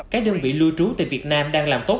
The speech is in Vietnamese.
các đơn vị lưu trú tại việt nam đang làm tốt